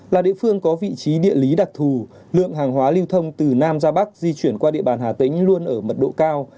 là địa phương có vị trí địa lý đặc thù lượng hàng hóa lưu thông từ nam ra bắc di chuyển qua địa bàn hà tĩnh luôn ở mật độ cao